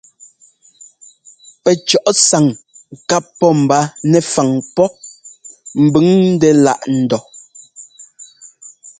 Pɛcɔ́ꞌsáŋ ká pɔ́ mba nɛfaŋ pɔ́ mbʉŋ ndɛ́ láꞌ ńdɔ́.